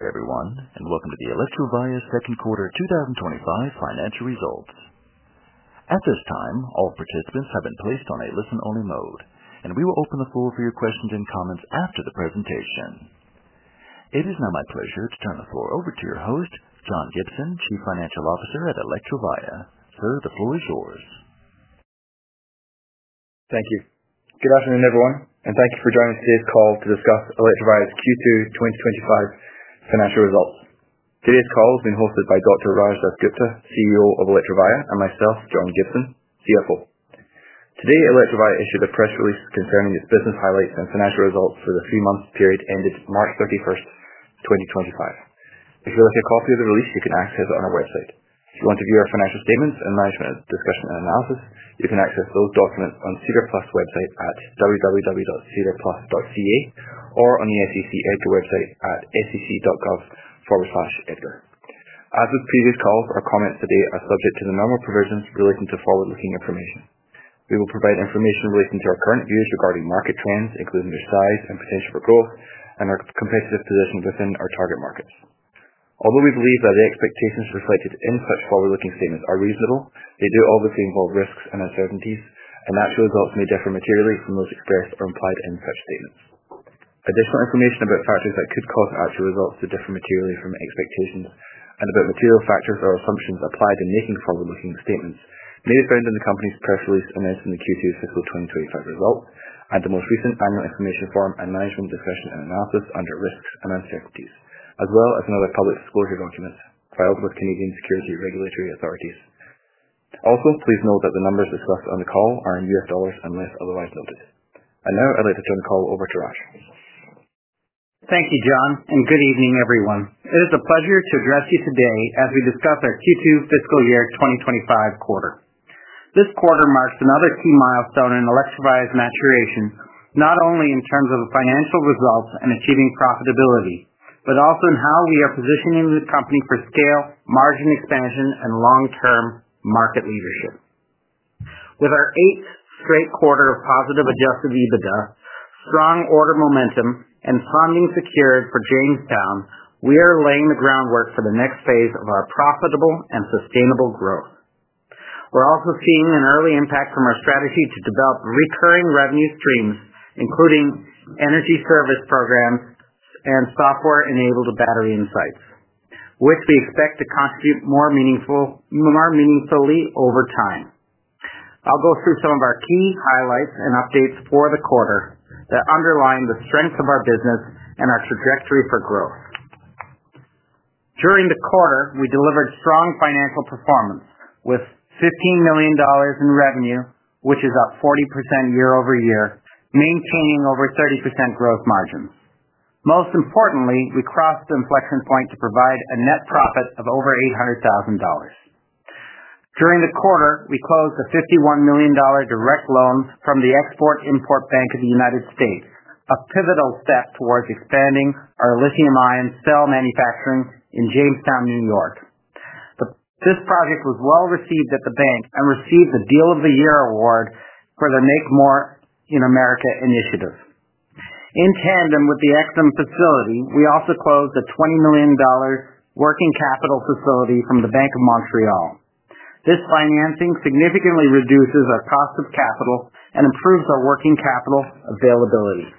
Hey everyone, and welcome to the Electrovaya second quarter 2025 financial results. At this time, all participants have been placed on a listen-only mode, and we will open the floor for your questions and comments after the presentation. It is now my pleasure to turn the floor over to your host, John Gibson, Chief Financial Officer at Electrovaya. Sir, the floor is yours. Thank you. Good afternoon, everyone, and thank you for joining us today's call to discuss Electrovaya's Q2 2025 financial results. Today's call has been hosted by Dr. Rajshekar DasGupta, CEO of Electrovaya, and myself, John Gibson, CFO. Today, Electrovaya issued a press release concerning its business highlights and financial results for the three-month period ended March 31st, 2025. If you'd like a copy of the release, you can access it on our website. If you want to view our financial statements and management discussion and analysis, you can access those documents on SEDAR+ website at www.sedarplus.ca or on the SEC EDGAR website at sec.gov/edgar. As with previous calls, our comments today are subject to the normal provisions relating to forward-looking information. We will provide information relating to our current views regarding market trends, including their size and potential for growth, and our competitive position within our target markets. Although we believe that the expectations reflected in such forward-looking statements are reasonable, they do obviously involve risks and uncertainties, and actual results may differ materially from those expressed or implied in such statements. Additional information about factors that could cause actual results to differ materially from expectations, and about material factors or assumptions applied in making forward-looking statements, may be found in the company's press release announcing the Q2 fiscal 2025 result, and the most recent annual information form and management discussion and analysis under risks and uncertainties, as well as in other public disclosure documents filed with Canadian security regulatory authorities. Also, please note that the numbers discussed on the call are in U.S. dollars unless otherwise noted. I would like to turn the call over to Raj. Thank you, John, and good evening, everyone. It is a pleasure to address you today as we discuss our Q2 fiscal year 2025 quarter. This quarter marks another key milestone in Electrovaya's maturation, not only in terms of the financial results and achieving profitability, but also in how we are positioning the company for scale, margin expansion, and long-term market leadership. With our eighth straight quarter of positive adjusted EBITDA, strong order momentum, and funding secured for Jamestown, we are laying the groundwork for the next phase of our profitable and sustainable growth. We are also seeing an early impact from our strategy to develop recurring revenue streams, including energy service programs and software-enabled battery insights, which we expect to contribute more meaningfully over time. I will go through some of our key highlights and updates for the quarter that underline the strength of our business and our trajectory for growth. During the quarter, we delivered strong financial performance with $15 million in revenue, which is up 40% year-over-year, maintaining over 30% gross margins. Most importantly, we crossed the inflection point to provide a net profit of over $800,000. During the quarter, we closed a $51 million direct loan from the Export-Import Bank of the United States, a pivotal step towards expanding our lithium-ion cell manufacturing in Jamestown, New York. This project was well received at the bank and received the Deal of the Year award for their Make More in America initiative. In tandem with the EXIM facility, we also closed a $20 million working capital facility from the Bank of Montreal. This financing significantly reduces our cost of capital and improves our working capital availability.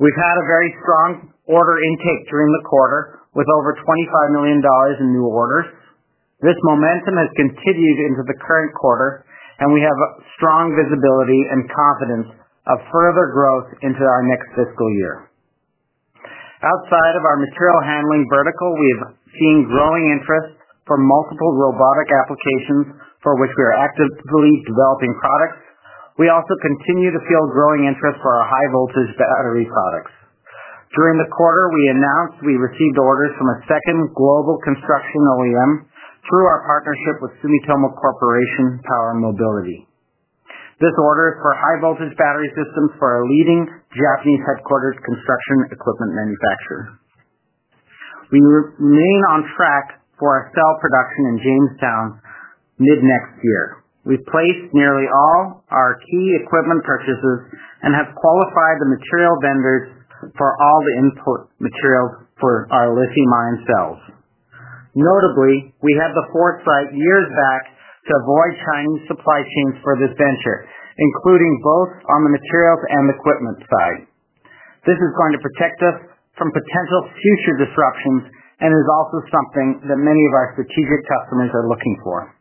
We've had a very strong order intake during the quarter with over $25 million in new orders. This momentum has continued into the current quarter, and we have strong visibility and confidence of further growth into our next fiscal year. Outside of our material handling vertical, we have seen growing interest for multiple robotic applications for which we are actively developing products. We also continue to feel growing interest for our high-voltage battery products. During the quarter, we announced we received orders from a second global construction OEM through our partnership with Sumitomo Corporation Power & Mobility. This order is for high-voltage battery systems for a leading Japanese headquartered construction equipment manufacturer. We remain on track for our cell production in Jamestown mid-next year. We have placed nearly all our key equipment purchases and have qualified the material vendors for all the input materials for our lithium-ion cells. Notably, we had the foresight years back to avoid Chinese supply chains for this venture, including both on the materials and equipment side. This is going to protect us from potential future disruptions and is also something that many of our strategic customers are looking for.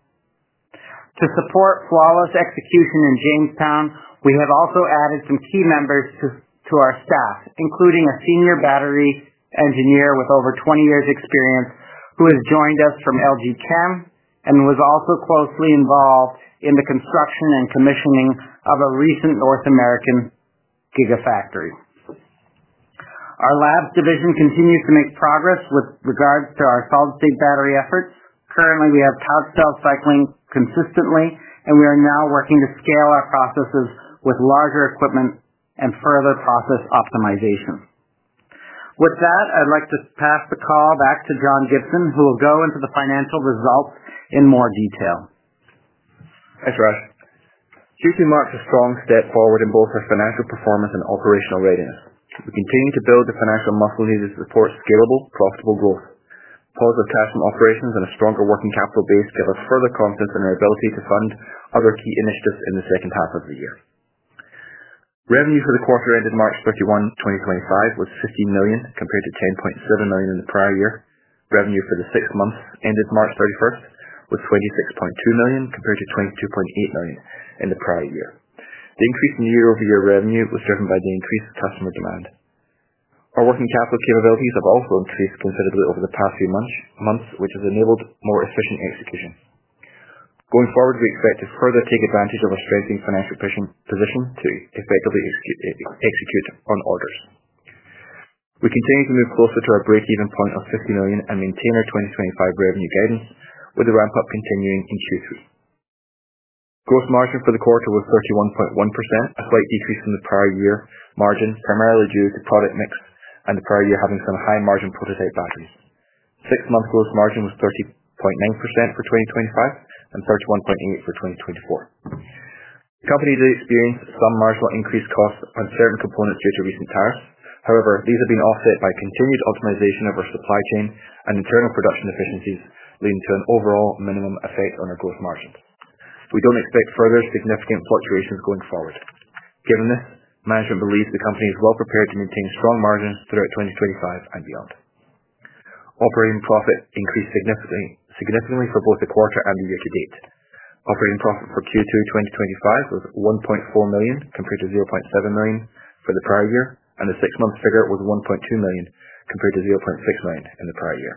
To support flawless execution in Jamestown, we have also added some key members to our staff, including a senior battery engineer with over 20 years' experience who has joined us from LG Chem and was also closely involved in the construction and commissioning of a recent North American Gigafactory. Our labs division continues to make progress with regards to our solid-state battery efforts. Currently, we have pouch cell cycling consistently, and we are now working to scale our processes with larger equipment and further process optimization. With that, I'd like to pass the call back to John Gibson, who will go into the financial results in more detail. Thanks, Raj. Q2 marks a strong step forward in both our financial performance and operational readiness. We continue to build the financial muscle needed to support scalable, profitable growth. Positive cash from operations and a stronger working capital base give us further confidence in our ability to fund other key initiatives in the second half of the year. Revenue for the quarter ended March 31, 2025, was $15 million, compared to $10.7 million in the prior year. Revenue for the six months ended March 31st was $26.2 million, compared to $22.8 million in the prior year. The increase in year-over-year revenue was driven by the increased customer demand. Our working capital capabilities have also increased considerably over the past few months, which has enabled more efficient execution. Going forward, we expect to further take advantage of our strengthening financial position to effectively execute on orders. We continue to move closer to our break-even point of $50 million and maintain our 2025 revenue guidance, with the ramp-up continuing in Q3. Gross margin for the quarter was 31.1%, a slight decrease from the prior year margin, primarily due to product mix and the prior year having some high-margin prototype batteries. Six-month gross margin was 30.9% for 2025 and 31.8% for 2024. The company did experience some marginal increased costs on certain components due to recent tariffs. However, these have been offset by continued optimization of our supply chain and internal production efficiencies, leading to an overall minimum effect on our gross margins. We don't expect further significant fluctuations going forward. Given this, management believes the company is well prepared to maintain strong margins throughout 2025 and beyond. Operating profit increased significantly for both the quarter and the year-to-date. Operating profit for Q2 2025 was $1.4 million, compared to $0.7 million for the prior year, and the six-month figure was $1.2 million, compared to $0.6 million in the prior year.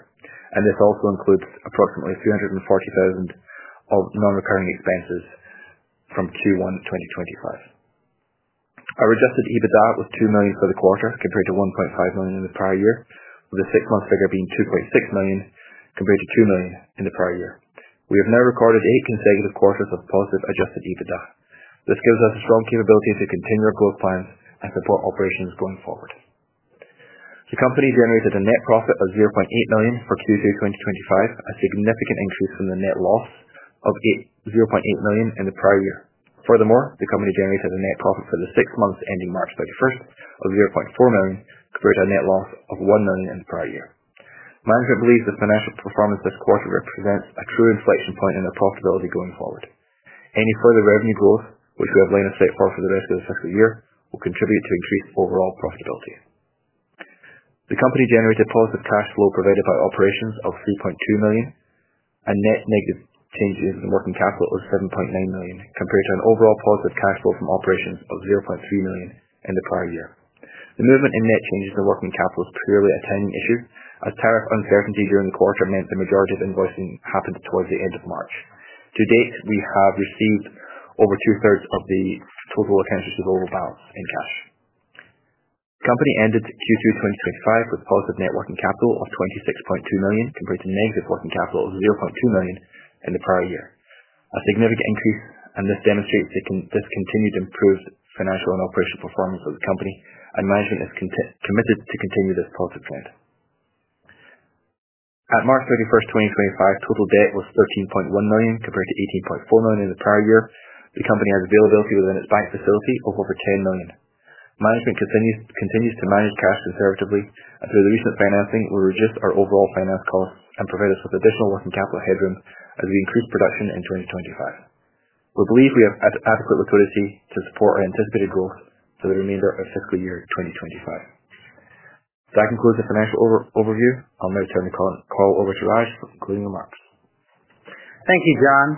This also includes approximately $340,000 of non-recurring expenses from Q1 2025. Our adjusted EBITDA was $2,000,000 for the quarter, compared to $1.5 million in the prior year, with the six-month figure being $2.6 million, compared to $2,000,000 in the prior year. We have now recorded eight consecutive quarters of positive adjusted EBITDA. This gives us a strong capability to continue our growth plans and support operations going forward. The company generated a net profit of $0.8 million for Q2 2025, a significant increase from the net loss of $0.8 million in the prior year. Furthermore, the company generated a net profit for the six months ending March 31st of $0.4 million, compared to a net loss of $1,000,000 in the prior year. Management believes the financial performance this quarter represents a true inflection point in our profitability going forward. Any further revenue growth, which we have lain aside for the rest of the fiscal year, will contribute to increased overall profitability. The company generated positive cash flow provided by operations of $3.2 million, and net negative changes in working capital of $7.9 million, compared to an overall positive cash flow from operations of $0.3 million in the prior year. The movement in net changes in working capital is purely a timing issue, as tariff uncertainty during the quarter meant the majority of invoicing happened towards the end of March. To date, we have received over 2/3 of the total accounts receivable balance in cash. The company ended Q2 2025 with positive net working capital of $26.2 million, compared to negative working capital of $0.2 million in the prior year. A significant increase, and this demonstrates the continued improved financial and operational performance of the company, and management is committed to continuing this positive trend. At March 31st, 2025, total debt was $13.1 million, compared to $18.4 million in the prior year. The company has availability within its bank facility of over $10 million. Management continues to manage cash conservatively, and through the recent financing, we will reduce our overall finance costs and provide us with additional working capital headroom as we increase production in 2025. We believe we have adequate liquidity to support our anticipated growth for the remainder of fiscal year 2025. That concludes the financial overview. I'll now turn the call over to Raj for concluding remarks. Thank you, John.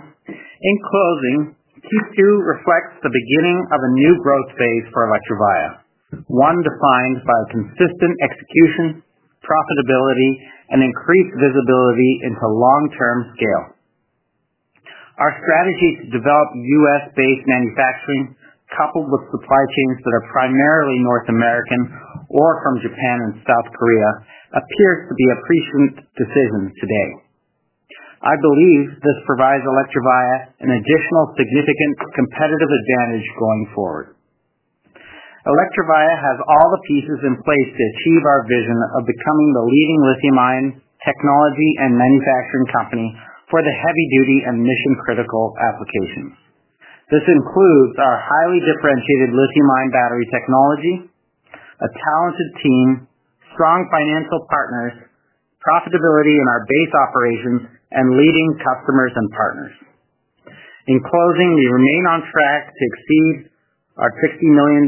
In closing, Q2 reflects the beginning of a new growth phase for Electrovaya, one defined by consistent execution, profitability, and increased visibility into long-term scale. Our strategy to develop U.S.-based manufacturing, coupled with supply chains that are primarily North American or from Japan and South Korea, appears to be a prescient decision today. I believe this provides Electrovaya an additional significant competitive advantage going forward. Electrovaya has all the pieces in place to achieve our vision of becoming the leading lithium-ion technology and manufacturing company for the heavy-duty and mission-critical applications. This includes our highly differentiated lithium-ion battery technology, a talented team, strong financial partners, profitability in our base operations, and leading customers and partners. In closing, we remain on track to exceed our $60 million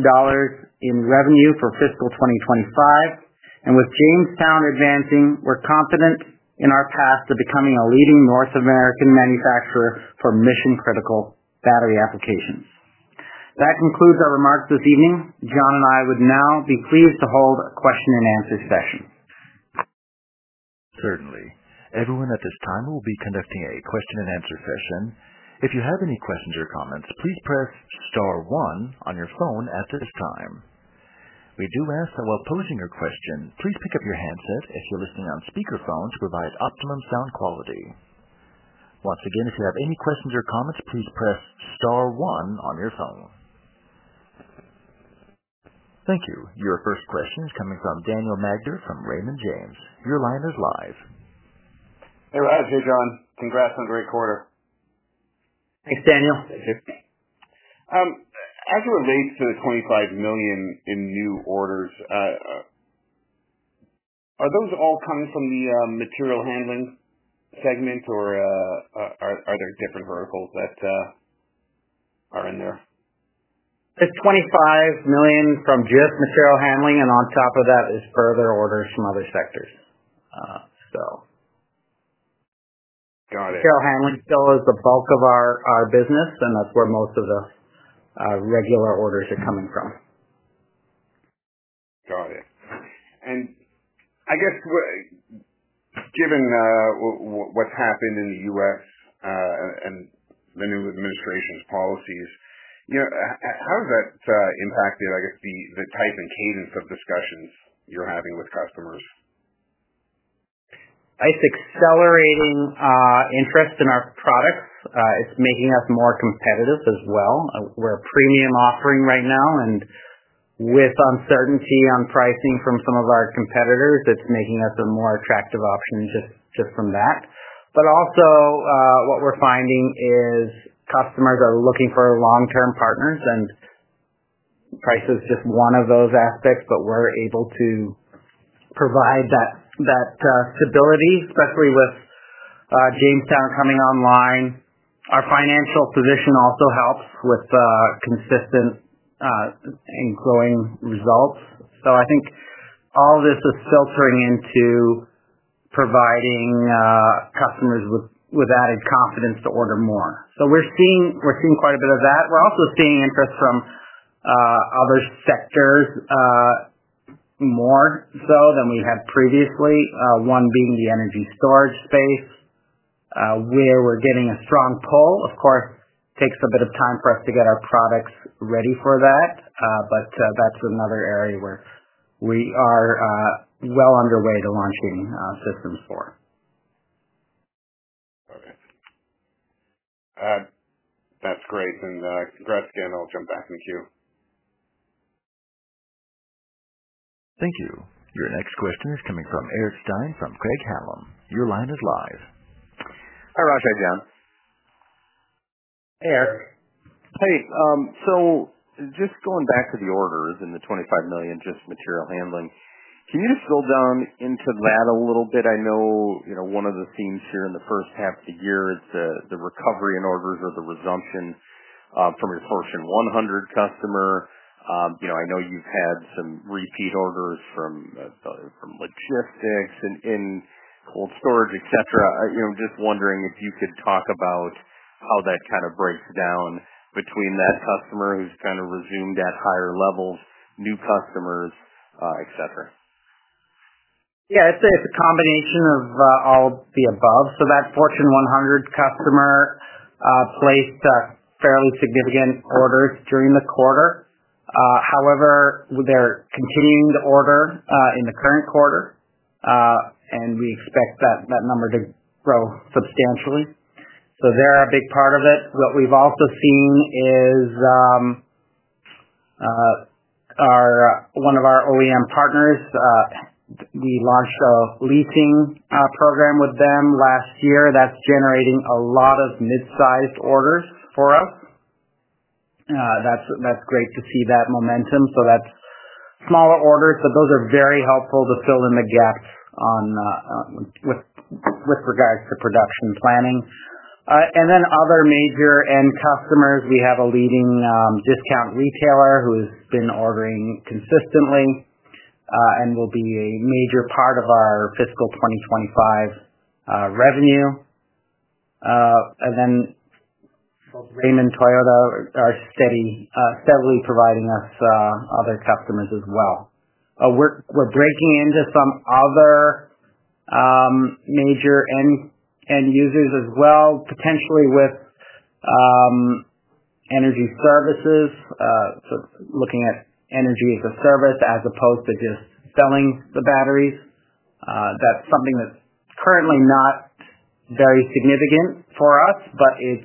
in revenue for fiscal 2025, and with Jamestown advancing, we're confident in our path to becoming a leading North American manufacturer for mission-critical battery applications. That concludes our remarks this evening. John and I would now be pleased to hold a question-and-answer session. Certainly. Everyone at this time will be conducting a question-and-answer session. If you have any questions or comments, please press star one on your phone at this time. We do ask that while posing your question, please pick up your handset if you're listening on speakerphone to provide optimum sound quality. Once again, if you have any questions or comments, please press star one on your phone. Thank you. Your first question is coming from Daniel Magder from Raymond James. Your line is live. Hey, Raj. Hey, John. Congrats on a great quarter. Thanks, Daniel. Thank you. As it relates to the $25 million in new orders, are those all coming from the material handling segment, or are there different verticals that are in there? The $25 million from just material handling, and on top of that is further orders from other sectors. Got it. Material handling still is the bulk of our business, and that's where most of the regular orders are coming from. Got it. I guess, given what's happened in the U.S. and the new administration's policies, how has that impacted, I guess, the type and cadence of discussions you're having with customers? It's accelerating interest in our products. It's making us more competitive as well. We're a premium offering right now, and with uncertainty on pricing from some of our competitors, it's making us a more attractive option just from that. What we're finding is customers are looking for long-term partners, and price is just one of those aspects, but we're able to provide that stability, especially with Jamestown coming online. Our financial position also helps with consistent and growing results. I think all of this is filtering into providing customers with added confidence to order more. We're seeing quite a bit of that. We're also seeing interest from other sectors more so than we had previously, one being the energy storage space, where we're getting a strong pull. Of course, it takes a bit of time for us to get our products ready for that, but that's another area where we are well underway to launching systems for. All right. That's great. And congrats, again. I'll jump back in the queue. Thank you. Your next question is coming from Eric Stine from Craig-Hallum. Your line is live. Hi, Raj. How are you, John? Hey, Eric. Hey. Just going back to the orders and the $25 million just material handling, can you just go down into that a little bit? I know one of the themes here in the first half of the year is the recovery in orders or the resumption from your Fortune 100 Customer. I know you've had some repeat orders from logistics and cold storage, etc. Just wondering if you could talk about how that kind of breaks down between that customer who's kind of resumed at higher levels, new customers, etc. Yeah. It's a combination of all of the above. That Fortune 100 Customer placed fairly significant orders during the quarter. However, they're continuing to order in the current quarter, and we expect that number to grow substantially. They're a big part of it. What we've also seen is one of our OEM partners—we launched a leasing program with them last year—that's generating a lot of mid-sized orders for us. That's great to see that momentum. That's smaller orders, but those are very helpful to fill in the gaps with regards to production planning. Other major end customers, we have a leading discount retailer who has been ordering consistently and will be a major part of our fiscal 2025 revenue. Raymond Toyota are steadily providing us other customers as well. We're breaking into some other major end users as well, potentially with energy services, looking at energy as a service as opposed to just selling the batteries. That's something that's currently not very significant for us, but it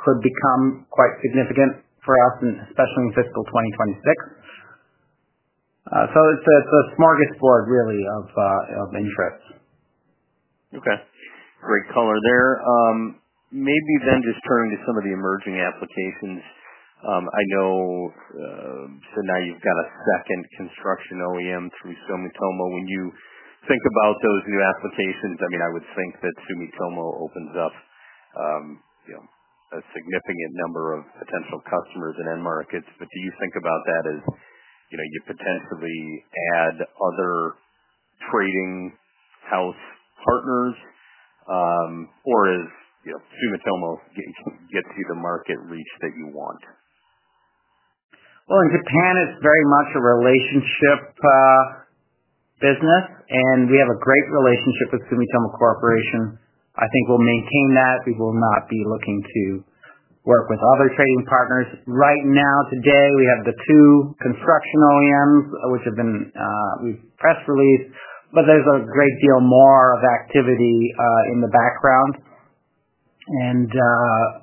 could become quite significant for us, especially in fiscal 2026. It's a smorgasbord, really, of interest. Okay. Great color there. Maybe then just turning to some of the emerging applications. I know so now you've got a second construction OEM through Sumitomo. When you think about those new applications, I mean, I would think that Sumitomo opens up a significant number of potential customers and end markets. Do you think about that as you potentially add other trading house partners, or is Sumitomo getting you the market reach that you want? In Japan, it's very much a relationship business, and we have a great relationship with Sumitomo Corporation. I think we'll maintain that. We will not be looking to work with other trading partners. Right now, today, we have the two construction OEMs, which we've press released, but there's a great deal more of activity in the background.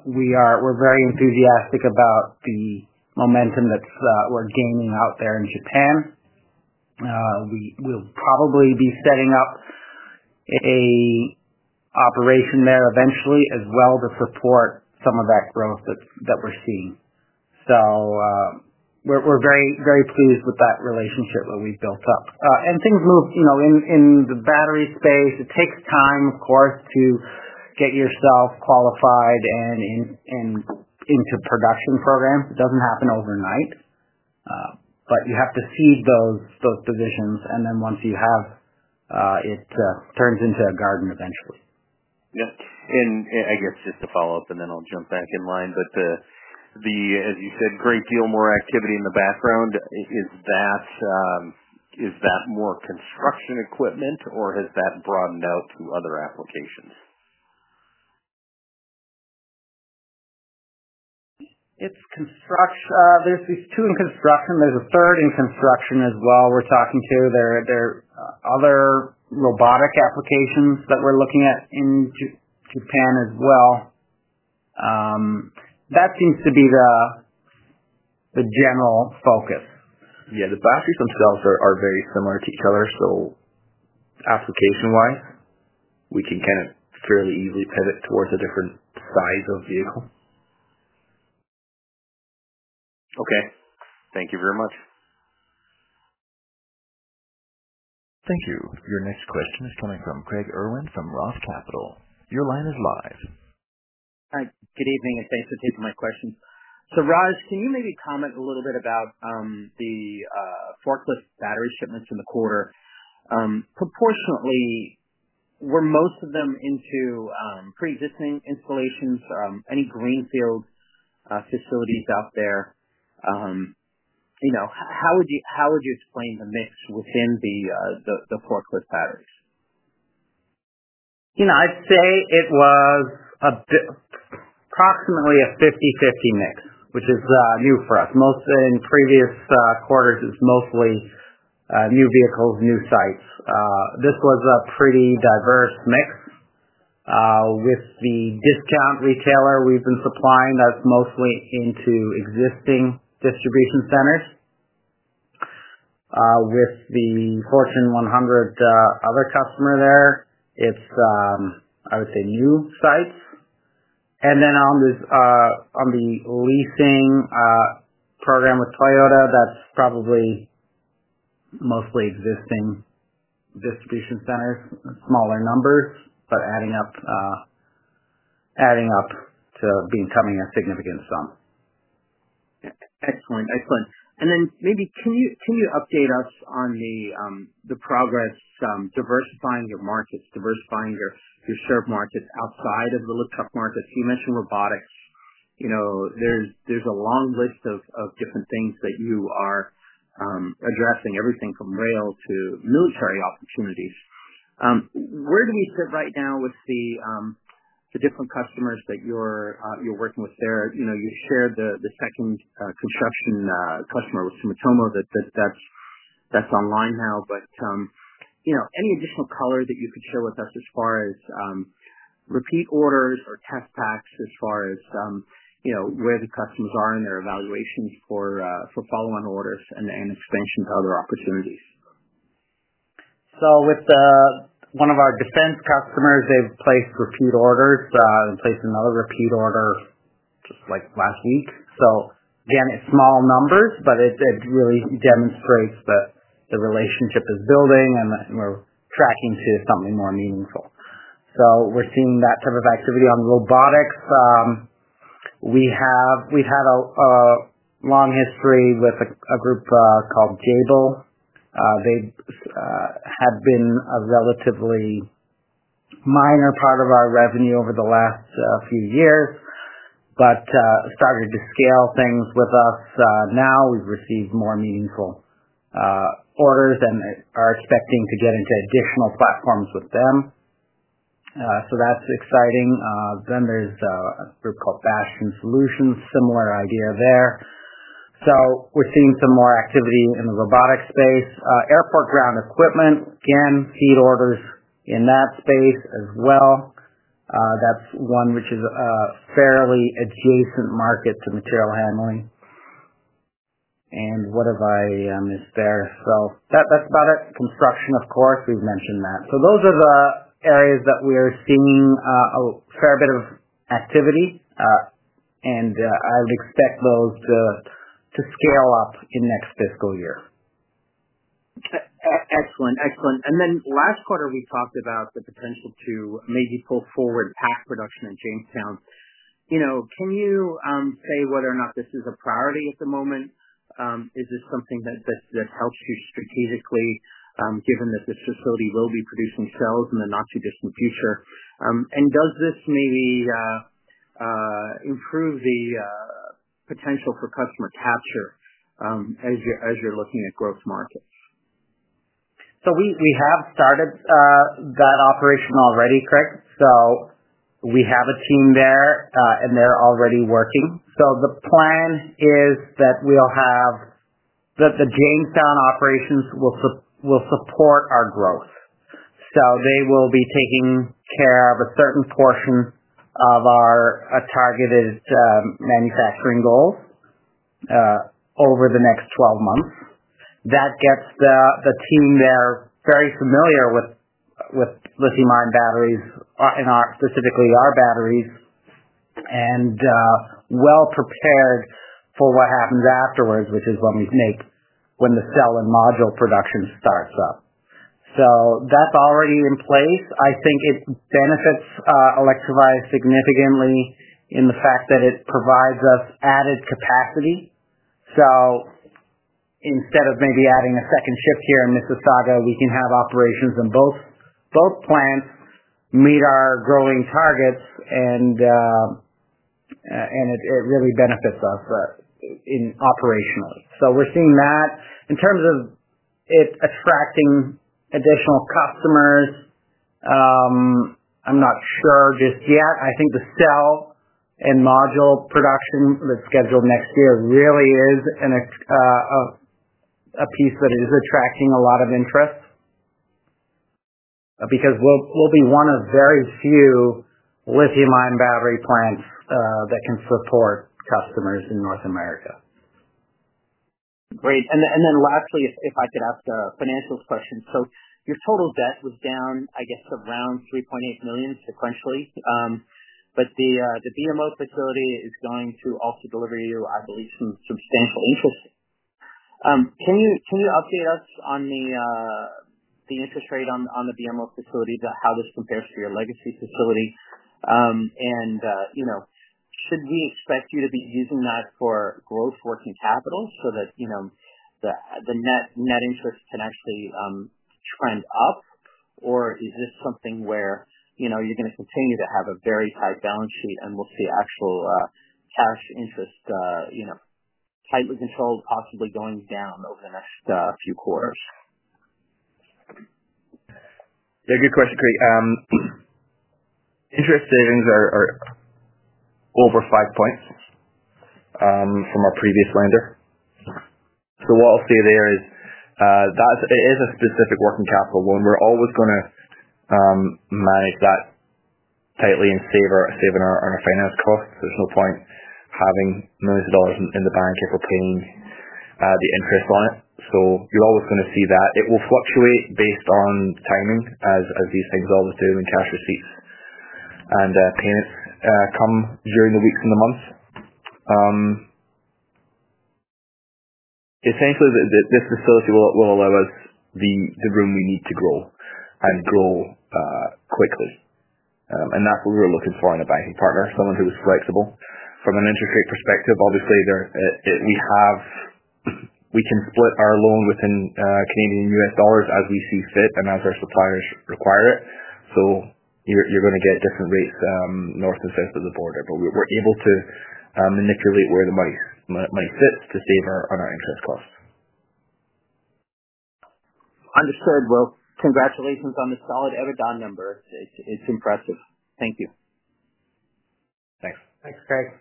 We are very enthusiastic about the momentum that we're gaining out there in Japan. We'll probably be setting up an operation there eventually as well to support some of that growth that we're seeing. We are very pleased with that relationship that we've built up. Things move in the battery space. It takes time, of course, to get yourself qualified and into production programs. It doesn't happen overnight, but you have to seed those positions, and then once you have it, it turns into a garden eventually. Yeah. I guess just to follow up, and then I'll jump back in line, but as you said, a great deal more activity in the background. Is that more construction equipment, or has that broadened out to other applications? There's two in construction. There's a third in construction as well we're talking to. There are other robotic applications that we're looking at in Japan as well. That seems to be the general focus. Yeah. The batteries themselves are very similar to each other. So application-wise, we can kind of fairly easily pivot towards a different size of vehicle. Okay. Thank you very much. Thank you. Your next question is coming from Craig Irwin from Roth Capital. Your line is live. Hi. Good evening, and thanks for taking my questions. Raj, can you maybe comment a little bit about the forklift battery shipments in the quarter? Proportionately, were most of them into pre-existing installations, any greenfield facilities out there? How would you explain the mix within the forklift batteries? I'd say it was approximately a 50/50 mix, which is new for us. Most of the previous quarters is mostly new vehicles, new sites. This was a pretty diverse mix. With the discount retailer we've been supplying, that's mostly into existing distribution centers. With the Fortune 100 other customer there, it's, I would say, new sites. On the leasing program with Toyota, that's probably mostly existing distribution centers, smaller numbers, but adding up to becoming a significant sum. Excellent. Excellent. Maybe can you update us on the progress diversifying your markets, diversifying your shared markets outside of the lift truck markets? You mentioned robotics. There is a long list of different things that you are addressing, everything from rail to military opportunities. Where do we sit right now with the different customers that you are working with there? You shared the second construction customer with Sumitomo that is online now, but any additional color that you could share with us as far as repeat orders or test packs as far as where the customers are in their evaluations for follow-on orders and expansion to other opportunities? With one of our defense customers, they've placed repeat orders and placed another repeat order just last week. Again, it's small numbers, but it really demonstrates that the relationship is building and we're tracking to something more meaningful. We're seeing that type of activity. On robotics, we've had a long history with a group called Jabil. They had been a relatively minor part of our revenue over the last few years, but started to scale things with us. Now we've received more meaningful orders and are expecting to get into additional platforms with them. That's exciting. There's a group called Bastian Solutions, similar idea there. We're seeing some more activity in the robotic space. Airport ground equipment, again, feed orders in that space as well. That's one which is a fairly adjacent market to material handling. What have I missed there? That's about it. Construction, of course. We've mentioned that. Those are the areas that we are seeing a fair bit of activity, and I would expect those to scale up in next fiscal year. Excellent. Excellent. Last quarter, we talked about the potential to maybe pull forward pack production at Jamestown. Can you say whether or not this is a priority at the moment? Is this something that helps you strategically, given that this facility will be producing cells in the not-too-distant future? Does this maybe improve the potential for customer capture as you're looking at growth markets? We have started that operation already, Craig. We have a team there, and they're already working. The plan is that we'll have the Jamestown operations support our growth. They will be taking care of a certain portion of our targeted manufacturing goals over the next 12 months. That gets the team there very familiar with lithium-ion batteries, specifically our batteries, and well-prepared for what happens afterwards, which is when the cell and module production starts up. That's already in place. I think it benefits Electrovaya significantly in the fact that it provides us added capacity. Instead of maybe adding a second shift here in Mississauga, we can have operations in both plants meet our growing targets, and it really benefits us operationally. We're seeing that. In terms of it attracting additional customers, I'm not sure just yet. I think the cell and module production that's scheduled next year really is a piece that is attracting a lot of interest because we'll be one of very few lithium-ion battery plants that can support customers in North America. Great. Lastly, if I could ask a financials question. Your total debt was down, I guess, around $3.8 million sequentially, but the BMO facility is going to also deliver you, I believe, some substantial interest. Can you update us on the interest rate on the BMO facility, how this compares to your legacy facility? Should we expect you to be using that for growth working capital so that the net interest can actually trend up, or is this something where you're going to continue to have a very tight balance sheet and we'll see actual cash interest tightly controlled, possibly going down over the next few quarters? Yeah. Good question, Craig. Interest savings are over five points from our previous lender. What I'll say there is it is a specific working capital loan. We're always going to manage that tightly and save on our finance costs. There's no point having millions of dollars in the bank if we're paying the interest on it. You're always going to see that. It will fluctuate based on timing as these things all the doing and cash receipts and payments come during the weeks and the months. Essentially, this facility will allow us the room we need to grow and grow quickly. That's what we're looking for in a banking partner, someone who is flexible. From an interest rate perspective, obviously, we can split our loan within Canadian and U.S. dollars as we see fit and as our suppliers require it. You're going to get different rates north and south of the border, but we're able to manipulate where the money sits to save on our interest costs. Understood. Congratulations on the solid EBITDA number. It's impressive. Thank you. Thanks. Thanks, Craig.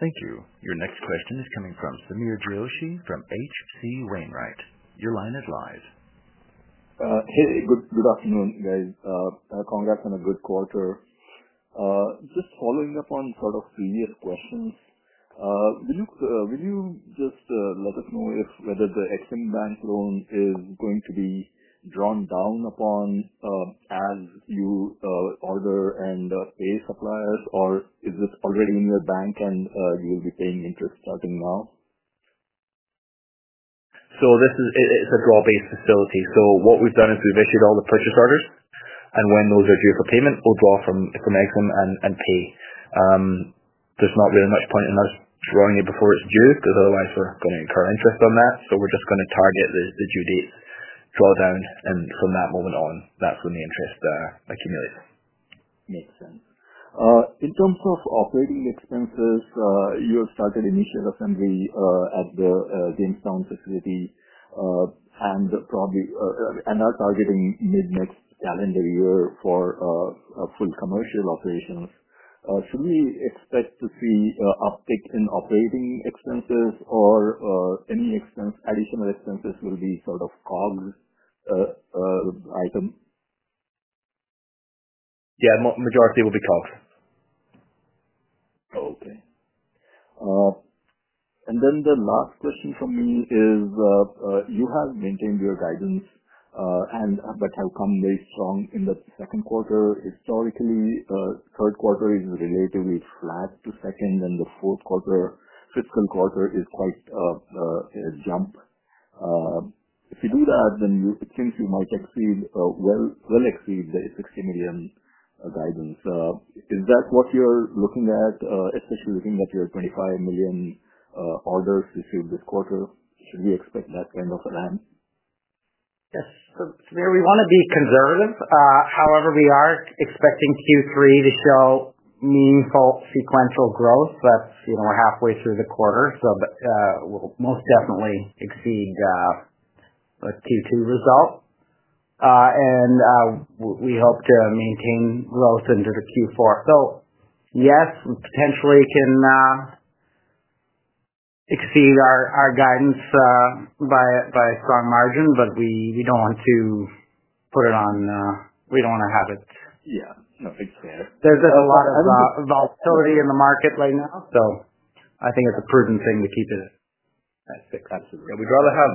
Thank you. Your next question is coming from Sameer Joshi from H.C. Wainwright. Your line is live. Hey. Good afternoon, guys. Congrats on a good quarter. Just following up on sort of previous questions, will you just let us know whether the EXIM Bank loan is going to be drawn down upon as you order and pay suppliers, or is this already in your bank and you will be paying interest starting now? It is a draw-based facility. What we have done is we have issued all the purchase orders, and when those are due for payment, we will draw from EXIM and pay. There is not really much point in us drawing it before it is due because otherwise we are going to incur interest on that. We are just going to target the due date, draw down, and from that moment on, that is when the interest accumulates. Makes sense. In terms of operating expenses, you started initial assembly at the Jamestown facility and are targeting mid-next calendar year for full commercial operations. Should we expect to see an uptick in operating expenses or any additional expenses will be sort of COG item? Yeah. Majority will be COGS. Okay. And then the last question for me is you have maintained your guidance, but have come very strong in the second quarter. Historically, third quarter is relatively flat to second, and the fourth quarter, fiscal quarter, is quite a jump. If you do that, then it seems you might well exceed the $60 million guidance. Is that what you're looking at, especially looking at your $25 million orders received this quarter? Should we expect that kind of a ramp? Yes. Sameer, we want to be conservative. However, we are expecting Q3 to show meaningful sequential growth. We're halfway through the quarter, so we'll most definitely exceed the Q2 result. We hope to maintain growth into Q4. Yes, we potentially can exceed our guidance by a strong margin, but we don't want to put it on, we don't want to have it. Yeah. No, it's fair. There's a lot of volatility in the market right now, so I think it's a prudent thing to keep it at six. Absolutely. We'd rather have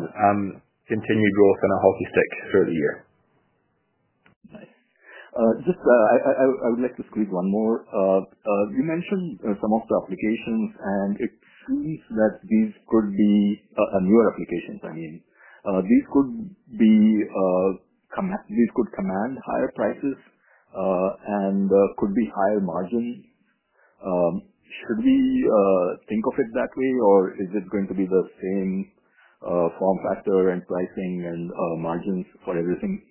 continued growth and a hockey stick through the year. Nice. I would like to squeeze one more. You mentioned some of the applications, and it seems that these could be newer applications. I mean, these could command higher prices and could be higher margins. Should we think of it that way, or is it going to be the same form factor and pricing and margins for everything?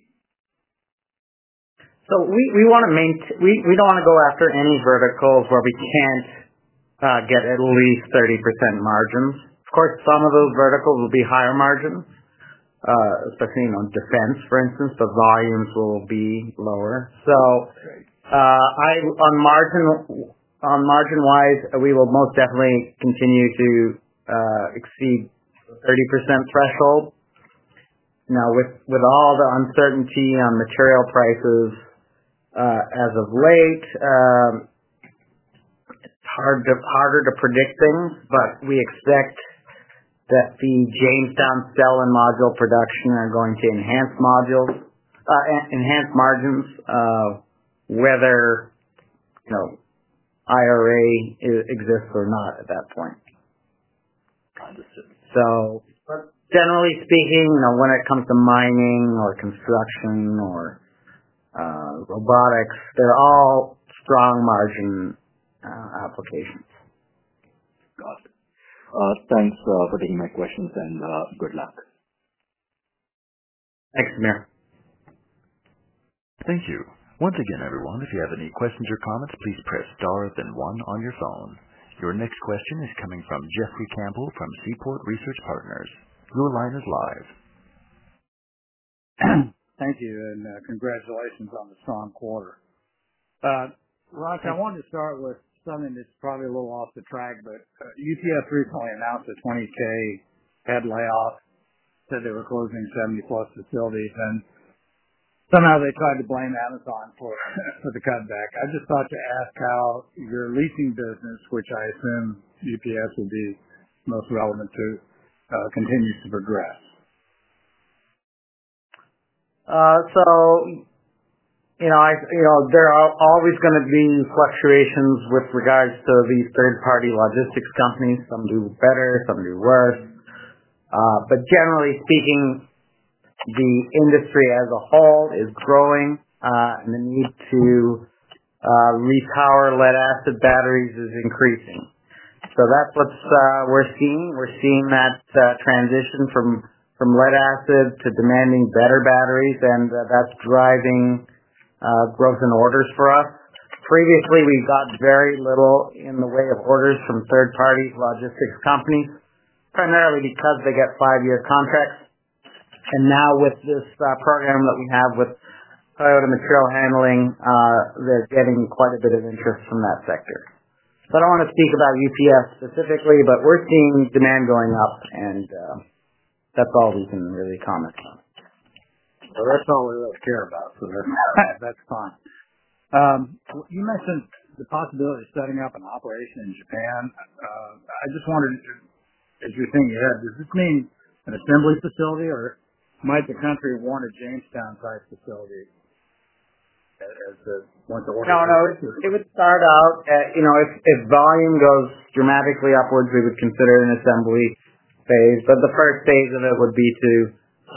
We want to maintain, we do not want to go after any verticals where we cannot get at least 30% margins. Of course, some of those verticals will be higher margins, especially on defense, for instance. The volumes will be lower. On margin-wise, we will most definitely continue to exceed the 30% threshold. Now, with all the uncertainty on material prices as of late, it is harder to predict things, but we expect that the Jamestown cell and module production are going to enhance margins whether IRA exists or not at that point. Generally speaking, when it comes to mining or construction or robotics, they are all strong margin applications. Got it. Thanks for taking my questions, and good luck. Thanks, Sameer. Thank you. Once again, everyone, if you have any questions or comments, please press star then 1 on your phone. Your next question is coming from Jeffrey Campbell from Seaport Research Partners. Your line is live. Thank you, and congratulations on the strong quarter. Raj I wanted to start with something that's probably a little off the track, but UPS recently announced a head layoff. Said they were closing 70+ facilities, and somehow they tried to blame Amazon for the cutback. I just thought to ask how your leasing business, which I assume UPS would be most relevant to, continues to progress. There are always going to be fluctuations with regards to these third-party logistics companies. Some do better, some do worse. Generally speaking, the industry as a whole is growing, and the need to retower lead-acid batteries is increasing. That is what we are seeing. We are seeing that transition from lead-acid to demanding better batteries, and that is driving growth in orders for us. Previously, we got very little in the way of orders from third-party logistics companies, primarily because they get five-year contracts. Now with this program that we have with Toyota Material Handling, they are getting quite a bit of interest from that sector. I do not want to speak about UPS specifically, but we are seeing demand going up, and that is all we can really comment on. That's all we really care about, so that's fine. You mentioned the possibility of setting up an operation in Japan. I just wanted to, as you're thinking ahead, does this mean an assembly facility, or might the country want a Jamestown-type facility as one to work? No, no. It would start out if volume goes dramatically upwards, we would consider an assembly phase. The first phase of it would be to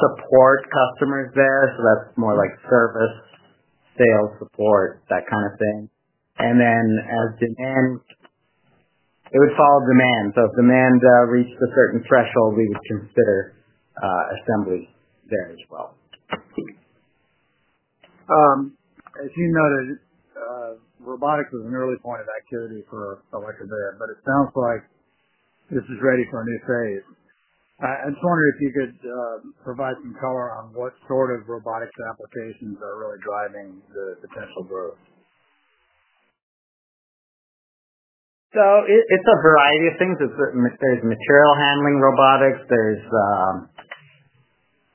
support customers there. That is more like service, sales support, that kind of thing. As demand, it would follow demand. If demand reached a certain threshold, we would consider assembly there as well. As you noted, robotics is an early point of activity for electric vehicles, but it sounds like this is ready for a new phase. I just wondered if you could provide some color on what sort of robotics applications are really driving the potential growth. It is a variety of things. There is material handling robotics, there is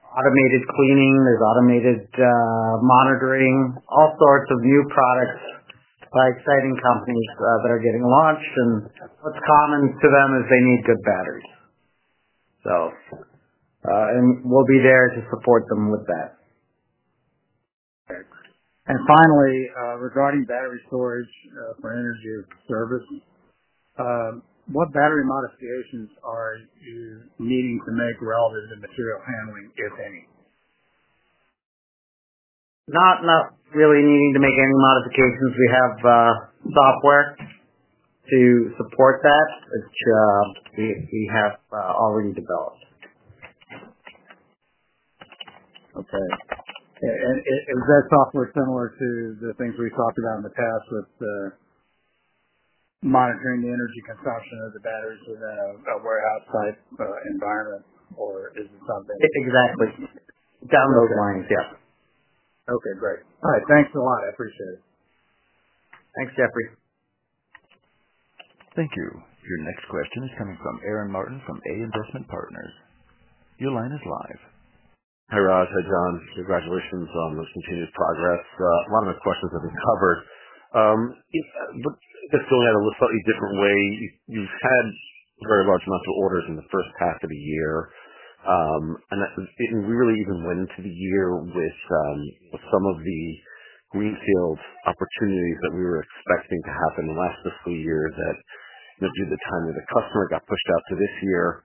automated cleaning, there is automated monitoring, all sorts of new products by exciting companies that are getting launched. What is common to them is they need good batteries, and we will be there to support them with that. Finally, regarding battery storage for energy service, what battery modifications are you needing to make relative to material handling, if any? Not really needing to make any modifications. We have software to support that, which we have already developed. Okay. Is that software similar to the things we've talked about in the past with monitoring the energy consumption of the batteries within a warehouse-type environment, or is it something? Exactly. Down the lines, yeah. Okay. Great. All right. Thanks a lot. I appreciate it. Thanks, Jeffrey. Thank you. Your next question is coming from Aaron Martin from AIGH Investment Partners. Your line is live. Hi, Raj. Hi, John. Congratulations on those continued progress. A lot of my questions have been covered. Just going at a slightly different way, you've had very large amounts of orders in the first half of the year, and we really even went into the year with some of the greenfield opportunities that we were expecting to happen in the last fiscal year due to the time that the customer got pushed out to this year.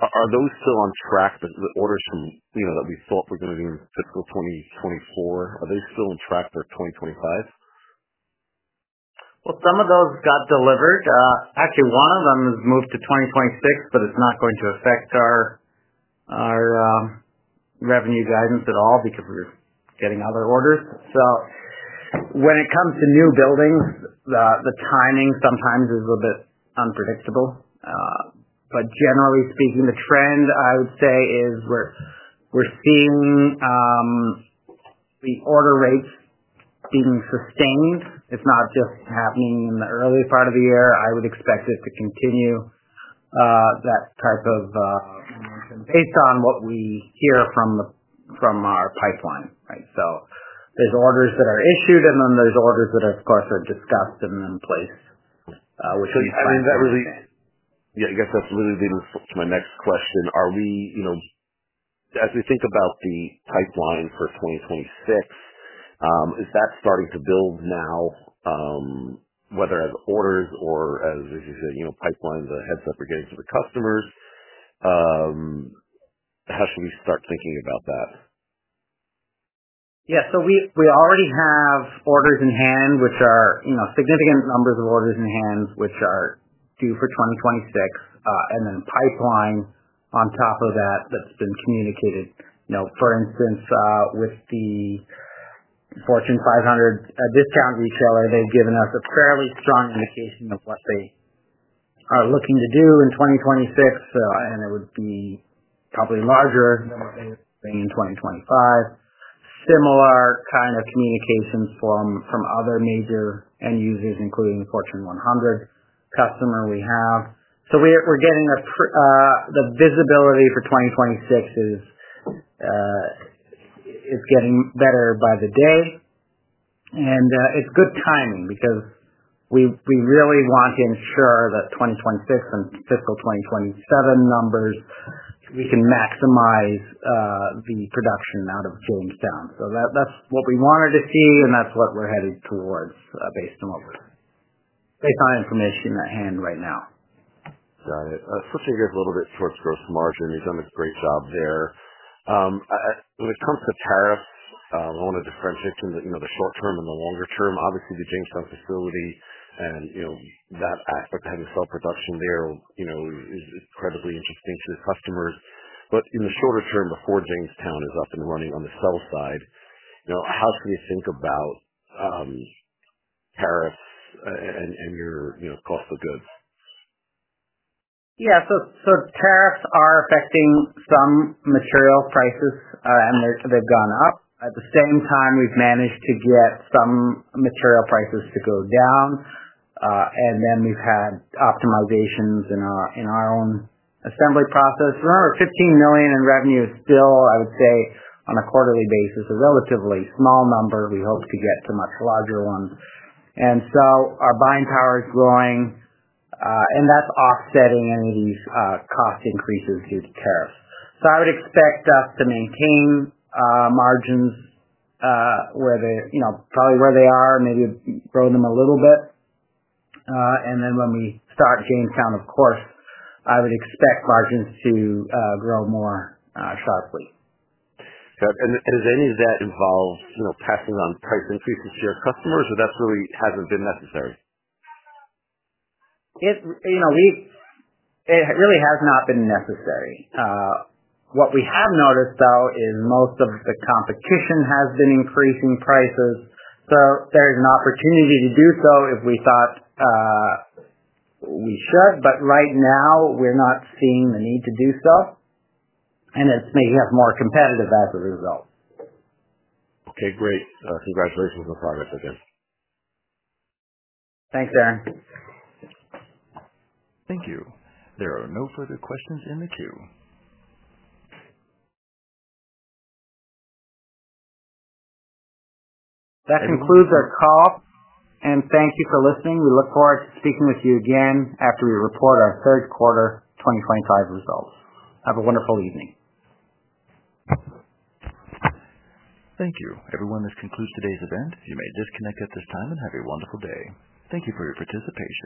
Are those still on track, the orders that we thought were going to be in fiscal 2024? Are they still on track for 2025? Some of those got delivered. Actually, one of them has moved to 2026, but it's not going to affect our revenue guidance at all because we're getting other orders. When it comes to new buildings, the timing sometimes is a bit unpredictable. Generally speaking, the trend, I would say, is we're seeing the order rates being sustained. It's not just happening in the early part of the year. I would expect it to continue, that type of motion, based on what we hear from our pipeline, right? There are orders that are issued, and then there are orders that, of course, are discussed and then placed, which is fine. I mean, I guess that's really leading to my next question. As we think about the pipeline for 2026, is that starting to build now, whether as orders or as, as you said, pipeline, the heads up we're getting to the customers? How should we start thinking about that? Yeah. So we already have orders in hand, which are significant numbers of orders in hand, which are due for 2026, and then pipeline on top of that that's been communicated. For instance, with the Fortune 500 discount retailer, they've given us a fairly strong indication of what they are looking to do in 2026, and it would be probably larger than what they were doing in 2025. Similar kind of communications from other major end users, including the Fortune 100 Customer we have. We're getting the visibility for 2026 is it's getting better by the day. It's good timing because we really want to ensure that 2026 and fiscal 2027 numbers, we can maximize the production out of Jamestown. That's what we wanted to see, and that's what we're headed towards based on information at hand right now. Got it. Switching gears a little bit towards gross margin, you've done a great job there. When it comes to tariffs, I want to differentiate between the short term and the longer term. Obviously, the Jamestown facility and that aspect of having cell production there is incredibly interesting to your customers. In the shorter term before Jamestown is up and running on the cell side, how should we think about tariffs and your cost of goods? Yeah. Tariffs are affecting some material prices, and they've gone up. At the same time, we've managed to get some material prices to go down, and then we've had optimizations in our own assembly process. Remember, $15 million in revenue is still, I would say, on a quarterly basis, a relatively small number. We hope to get to much larger ones. Our buying power is growing, and that's offsetting any of these cost increases due to tariffs. I would expect us to maintain margins probably where they are, maybe grow them a little bit. When we start Jamestown, of course, I would expect margins to grow more sharply. Got it. Is any of that involved passing on price increases to your customers, or that really hasn't been necessary? It really has not been necessary. What we have noticed, though, is most of the competition has been increasing prices. So there is an opportunity to do so if we thought we should, but right now, we are not seeing the need to do so, and it may have made us more competitive as a result. Okay. Great. Congratulations on the progress, again. Thanks, Aaron. Thank you. There are no further questions in the queue. That concludes our call, and thank you for listening. We look forward to speaking with you again after we report our third quarter 2025 results. Have a wonderful evening. Thank you. Everyone, this concludes today's event. You may disconnect at this time and have a wonderful day. Thank you for your participation.